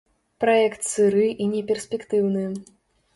Праект сыры і неперспектыўны.